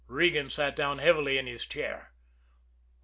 Regan sat down heavily in his chair.